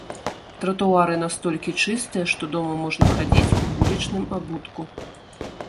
Тратуары настолькі чыстыя, што дома можна хадзіць у вулічным абутку.